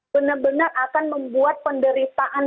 benar benar akan membuat penderitaan